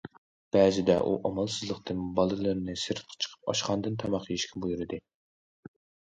بەزىدە ئۇ ئامالسىزلىقتىن بالىلىرىنى سىرتقا چىقىپ ئاشخانىدىن تاماق يېيىشكە بۇيرۇدى.